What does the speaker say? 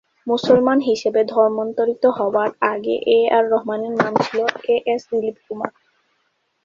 মুসলমান হিসেবে ধর্মান্তরিত হবার আগে এ আর রহমানের নাম ছিল এ এস দিলীপ কুমার।